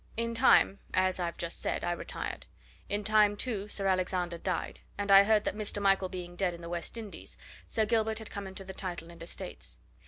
In time, as I've just said, I retired; in time, too, Sir Alexander died, and I heard that, Mr. Michael being dead in the West Indies, Sir Gilbert had come into the title and estates.